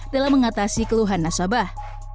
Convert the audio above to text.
dalam mengatasi keluhan nasabah